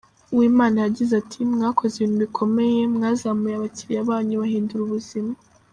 Uwimana yagize ati : “Mwakoze ibintu bikomeye, mwazamuye abakiriya banyu bahindura ubuzima.